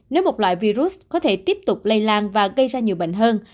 nếu một loại virus có thể tiếp tục lây lan và gây ra nhiễm